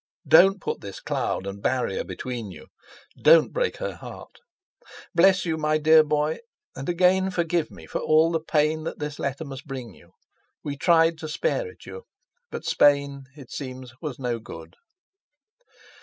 Don't put this cloud and barrier between you. Don't break her heart! Bless you, my dear boy, and again forgive me for all the pain this letter must bring you—we tried to spare it you, but Spain—it seems— was no good.